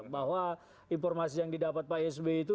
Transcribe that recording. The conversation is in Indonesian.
bahwa informasi yang didapat pak sby itu